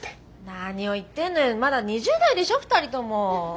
何を言ってんのよまだ２０代でしょ２人とも。